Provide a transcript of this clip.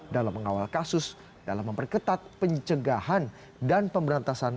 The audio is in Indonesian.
dalam mengawal kasus dalam memperketat pencegahan dan pemberantasan